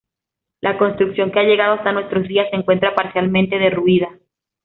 La construcción que ha llegado hasta nuestros días se encuentra parcialmente derruida.